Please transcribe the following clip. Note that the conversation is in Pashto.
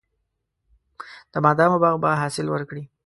د بادامو باغ به حاصل وکړي.